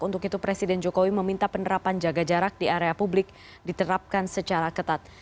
untuk itu presiden jokowi meminta penerapan jaga jarak di area publik diterapkan secara ketat